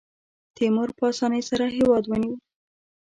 تیمور په اسانۍ سره هېواد ونیو.